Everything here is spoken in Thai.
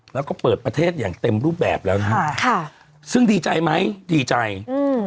แล้วก็เปิดประเทศอย่างเต็มรูปแบบแล้วนะฮะค่ะซึ่งดีใจไหมดีใจอืม